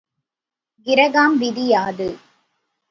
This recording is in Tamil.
கிரகாம் விதி யாது?